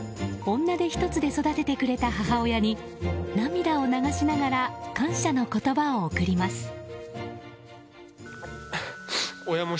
女手ひとつで育ててくれた母親に涙を流しながら感謝の言葉を贈ります。